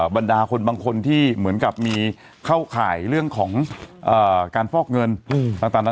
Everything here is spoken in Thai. บรรดาคนบางคนที่เหมือนกับมีเข้าข่ายเรื่องของการฟอกเงินต่าง